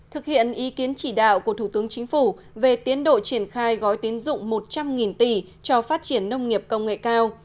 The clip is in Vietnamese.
thực hiện ý kiến chỉ đạo của thủ tướng chính phủ về tiến độ triển khai gói tiến dụng một trăm linh tỷ cho phát triển nông nghiệp công nghệ cao